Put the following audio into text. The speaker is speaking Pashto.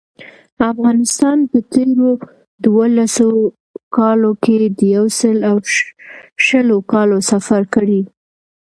افغانستان په تېرو دولسو کالو کې د یو سل او شلو کالو سفر کړی.